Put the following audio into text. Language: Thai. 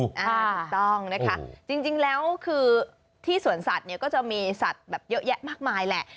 ถูกต้องนะคะจริงแล้วคือที่สวนสัตว์เนี่ยก็จะมีสัตว์แบบเยอะแยะมากมายแหละ